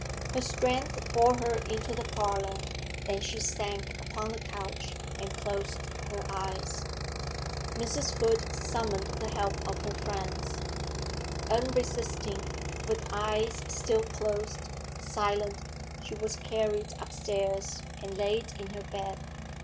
Her strength bore her into the parlour, then she sank upon the couch and closed her eyes. Mrs. Hood summoned the help of her friends. Unresisting, with eyes still closed, silent, she was carried upstairs and laid in her bed.